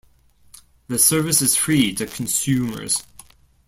The service is free to consumers.